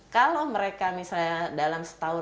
kalau mereka misalnya dalam setahun